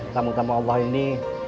tama tama allah ini